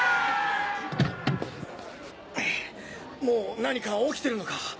もう何か起きてるのか？